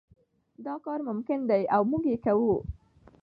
دا کار ممکن دی او موږ یې کوو.